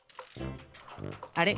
あれ？